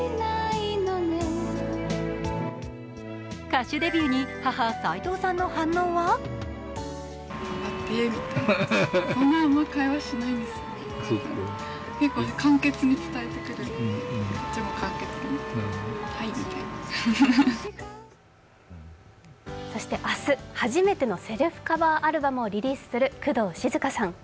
歌手デビューに母・斉藤さんの反応はそして明日初めてのセルフカバーアルバムをリリースする工藤静香さん。